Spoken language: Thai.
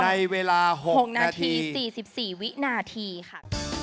ในเวลา๖นาที๔๔วินาทีค่ะ